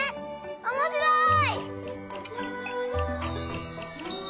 おもしろい！